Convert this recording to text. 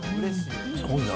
すごいな。